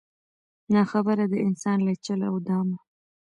نا خبره د انسان له چل او دامه